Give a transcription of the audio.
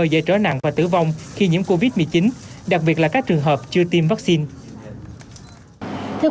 dễ trở nặng và tử vong khi nhiễm covid một mươi chín đặc biệt là các trường hợp chưa tiêm vaccine